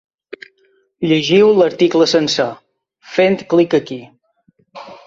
Llegiu l’article sencer, fent clic aquí.